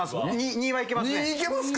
２いけますか？